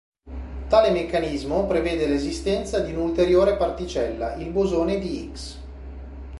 Tale meccanismo prevede l'esistenza di un'ulteriore particella, il bosone di Higgs.